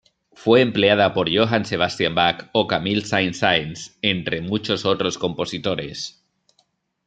Fue empleada por Johann Sebastian Bach o Camille Saint-Saëns, entre muchos otros compositores.